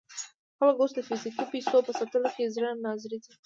خلک اوس د فزیکي پیسو په ساتلو کې زړه نا زړه دي.